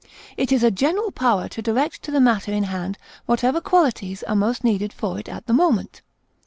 It is a general power to direct to the matter in hand whatever qualities are most needed for it at the moment.